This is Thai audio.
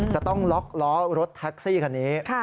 จะต้องล็อกล้อรถแท็กซี่คันนี้